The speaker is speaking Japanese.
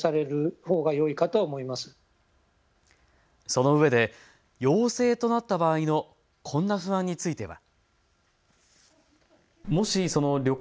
そのうえで陽性となった場合のこんな不安については。